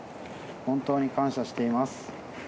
本当に感謝しています。